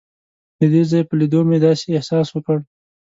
د دې ځای په لیدو مې داسې احساس وکړ.